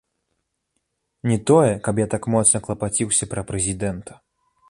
Не тое, каб я так моцна клапаціўся пра прэзідэнта.